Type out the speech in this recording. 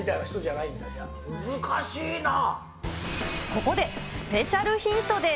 ここでスペシャルヒントです。